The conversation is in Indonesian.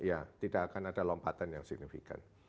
ya tidak akan ada lompatan yang signifikan